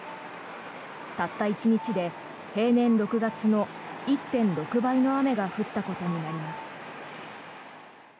たった１日で平年６月の１．６倍の雨が降ったことになります。